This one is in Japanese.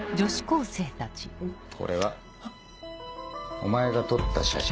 これはお前が撮った写真？